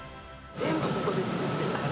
全部ここで作ってるから。